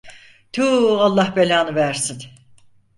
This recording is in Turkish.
Tuu Allah belasını versin.